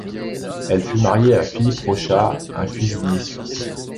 Elle fut mariée à Philippe Rochat, un cuisinier suisse.